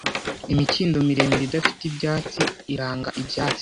Imikindo miremire idafite ibyatsi iranga ibyatsi